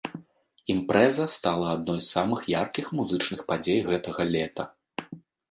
Імпрэза стала адной з самых яркіх музычных падзей гэтага лета.